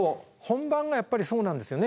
本番がやっぱりそうなんですよね。